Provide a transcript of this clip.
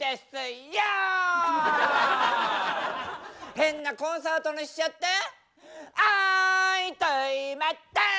変なコンサートにしちゃってあーいとぅ